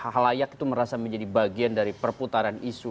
halayak itu merasa menjadi bagian dari perputaran isu